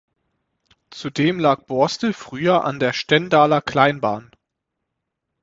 Zudem lag Borstel früher an der Stendaler Kleinbahn.